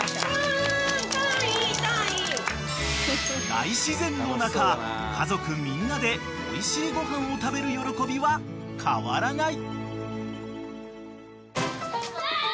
［大自然の中家族みんなでおいしいご飯を食べる喜びは変わらない］